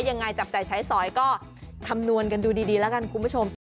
ยังไงจับจ่ายใช้สอยก็คำนวณกันดูดีแล้วกันคุณผู้ชม